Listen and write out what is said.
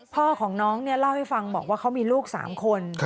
พ่อของน้องเล่าให้ฟังบอกว่าเขามีลูกสามคน